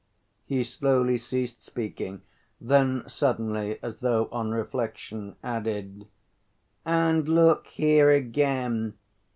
He slowly ceased speaking; then suddenly, as though on reflection, added: "And look here again.